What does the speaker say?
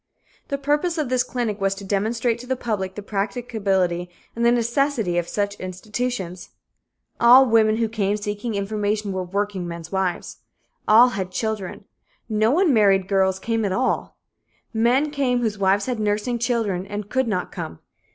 The purpose of this clinic was to demonstrate to the public the practicability and the necessity of such institutions. All women who came seeking information were workingmen's wives. All had children. No unmarried girls came at all. Men came whose wives had nursing children and could not come.